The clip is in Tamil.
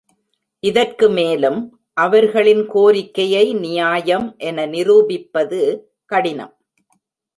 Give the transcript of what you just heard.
இதற்கு மேலும், அவர்களின் கோரிக்கையை நியாயம் என நிரூபிப்பது கடினம்.